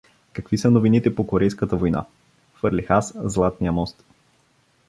— Какви са новините по Корейската война? — фърлих аз златния мост.